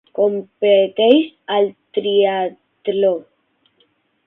Competeix al triatló.